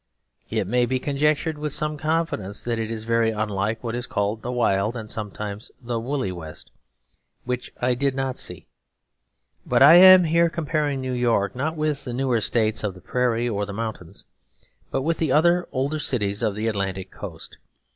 It may be conjectured with some confidence that it is very unlike what is called the Wild and sometimes the Woolly West, which I did not see. But I am here comparing New York, not with the newer states of the prairie or the mountains, but with the other older cities of the Atlantic coast.